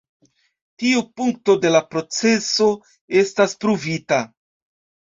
Tiu punkto de la proceso estas pruvita.